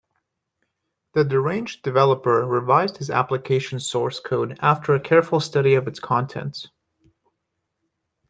The deranged developer revised his application source code after a careful study of its contents.